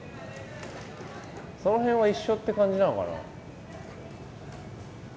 その辺は一緒って感じなのかな？